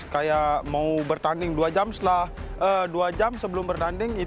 kalau mau bertanding dua jam sebelum bertanding